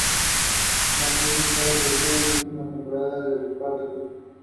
Sus esfuerzos le valieron un llamado a la Selección de Costa Rica en septiembre.